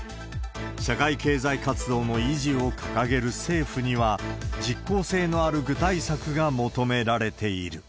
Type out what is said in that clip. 社会経済活動の維持を掲げる政府には、実効性のある具体策が求め